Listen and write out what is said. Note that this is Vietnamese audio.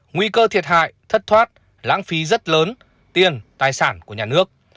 nguy cơ thiệt hại thất thoát lãng phí rất lớn tiền tài sản của nhà nước